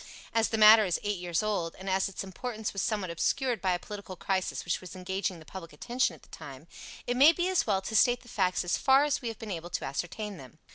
As the matter is eight years old, and as its importance was somewhat obscured by a political crisis which was engaging the public attention at the time, it may be as well to state the facts as far as we have been able to ascertain them.